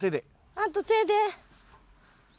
あと手で。